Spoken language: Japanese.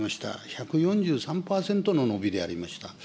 １４３％の伸びでありました。